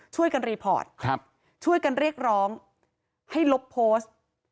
ช่วยกันรีพอร์ตช่วยกันเรียกร้องให้ลบโพสต์